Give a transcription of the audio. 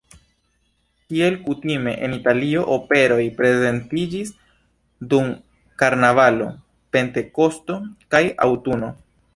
Kiel kutime en Italio, operoj prezentiĝis dum karnavalo, pentekosto kaj aŭtuno.